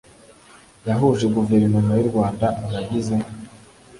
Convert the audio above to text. yahuje guverinoma y u rwanda abagize